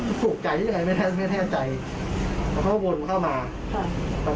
แล้วสุขใจไม่แทนไม่แทนใจแล้วเขาวนเข้ามาค่ะ